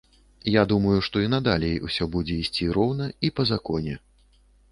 Я думаю, што і надалей усё будзе ісці роўна і па законе.